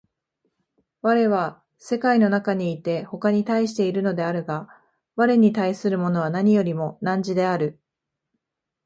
我は世界の中にいて他に対しているのであるが、我に対するものは何よりも汝である。